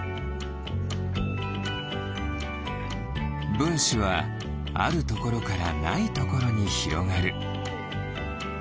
ぶんしはあるところからないところにひろがる。